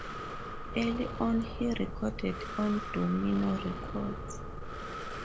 Early on he recorded on Domino Records.